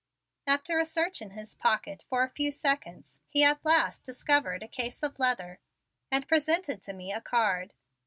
After a search in his pocket for a few seconds he at last discovered a case of leather and presented to me a card.